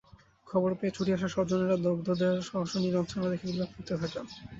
খবর পেয়ে ছুটে আসা স্বজনেরা দগ্ধদের অসহনীয় যন্ত্রণা দেখে বিলাপ করতে থাকেন।